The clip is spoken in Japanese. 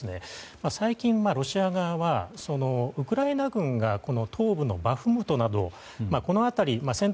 最近はロシア側はウクライナ軍が東部のバフムトなどこの辺り戦闘